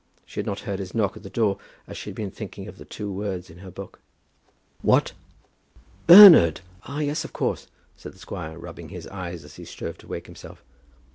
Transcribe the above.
She had not heard his knock at the door as she had been thinking of the two words in her book. "What; Bernard! ah, yes, of course," said the squire, rubbing his eyes as he strove to wake himself.